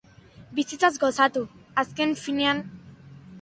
Bizitzaz gozatu, azken finean.